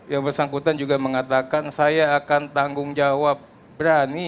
yang bersangkutan juga mengatakan saya akan tanggung jawab berani